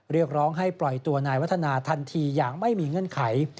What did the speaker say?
เรียกร้องให้ปล่อยตัวนายวัฒนาทันทีอย่างไม่มีเงื่อนไข